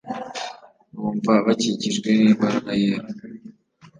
Bumva bakijijwe n'imbaraga yera.